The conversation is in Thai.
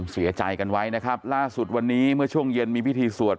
เสียใจกันไว้นะครับล่าสุดวันนี้เมื่อช่วงเย็นมีพิธีสวด